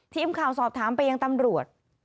ทีมข่าวสอบถามไปยังตำรวจ